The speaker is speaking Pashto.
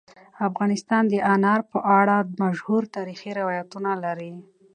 افغانستان د انار په اړه مشهور تاریخی روایتونه لري.